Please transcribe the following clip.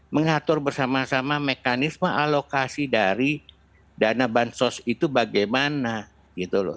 mengatur bersama sama mekanisme alokasi dari dana bansos itu bagaimana gitu loh